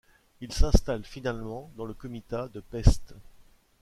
Ils s'installent finalement dans le comitat de Pest.